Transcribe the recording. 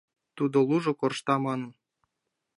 Тудо лужо коршта манын.